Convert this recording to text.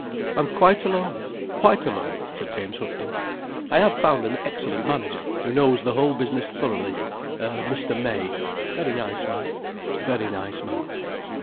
"I am quite alone—quite alone," said James Houghton. "I have found an excellent manager, who knows the whole business thoroughly—a Mr. May. Very nice man. Very nice man."